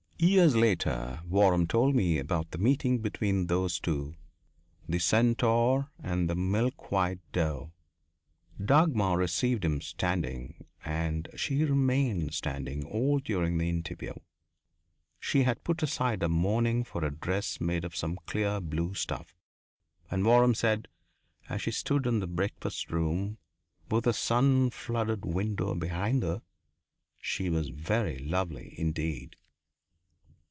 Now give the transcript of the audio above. Years later, Waram told me about the meeting between those two the centaur and the milk white doe! Dagmar received him standing and she remained standing all during the interview. She had put aside her mourning for a dress made of some clear blue stuff, and Waram said that as she stood in the breakfast room, with a sun flooded window behind her, she was very lovely indeed.